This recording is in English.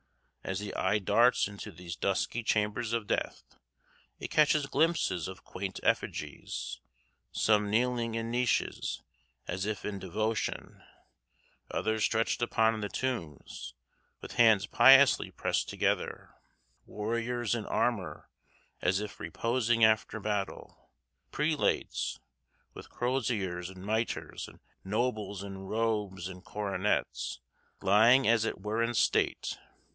As the eye darts into these dusky chambers of death it catches glimpses of quaint effigies some kneeling in niches, as if in devotion; others stretched upon the tombs, with hands piously pressed together; warriors in armor, as if reposing after battle; prelates, with crosiers and mitres; and nobles in robes and coronets, lying as it were in state.